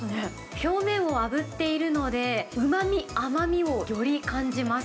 表面をあぶっているので、うまみ、甘みをより感じます。